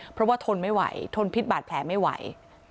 เพราะว่าทนไม่ไหวทนพิษบาดแผลไม่ไหว